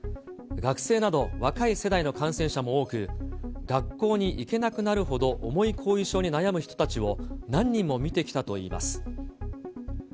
学生など若い世代の感染者も多く、学校に行けなくなるほど重い後遺症に悩む人たちを、何人もみてきたといいます。